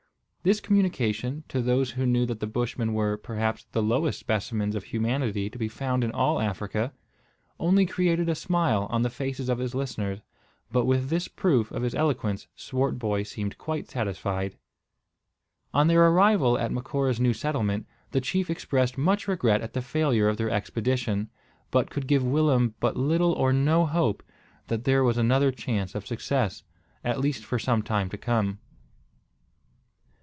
This communication, to those who knew that the Bushmen were, perhaps, the lowest specimens of humanity to be found in all Africa, only created a smile on the faces of his listeners; but with this proof of his eloquence Swartboy seemed quite satisfied. On their arrival at Macora's new settlement, the chief expressed much regret at the failure of their expedition, but could give Willem but little or no hope that there was other chance of success, at least for some time to come.